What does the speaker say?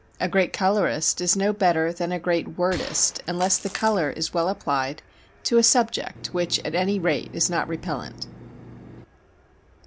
A great colourist is no better than a great wordist unless the colour is well applied to a subject which at any rate is not repellent.